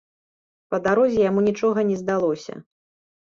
Па дарозе яму нічога не здалося.